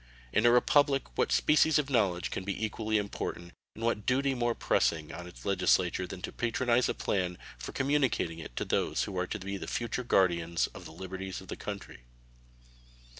In a republic what species of knowledge can be equally important and what duty more pressing on its legislature than to patronize a plan for communicating it to those who are to be the future guardians of the liberties of the country?